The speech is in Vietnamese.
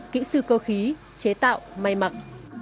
kỹ sư cơ khí chế tạo may mặc